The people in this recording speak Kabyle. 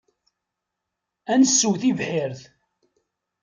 Ad nessew tibḥirt.